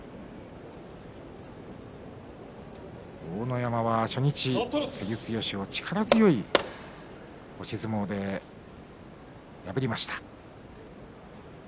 山は初日、照強を力強い押し相撲で破りました。